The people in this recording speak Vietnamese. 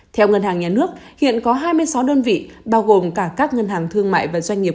theo ngân hàng nhà nước hiện có hai mươi sáu đơn vị bao gồm cả các ngân hàng thương mại và doanh nghiệp